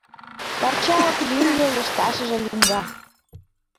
Парча ок лӱҥгӧ, лышташыже лӱҥга.